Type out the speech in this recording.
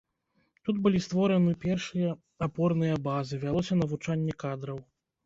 Тут былі створаны першыя апорныя базы, вялося навучанне кадраў.